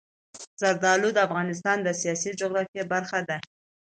زردالو د افغانستان د سیاسي جغرافیه برخه ده.